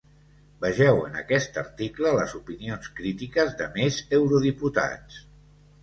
Vegeu en aquest article les opinions crítiques de més eurodiputats.